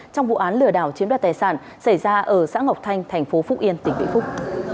trong vụ án lừa đảo chiếm đoạt tài sản xảy ra ở xã ngọc thanh thành phố phúc yên tỉnh vĩnh phúc